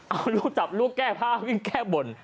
เอาลูกจับลูกแก้ผ้าวิ่งแก้บน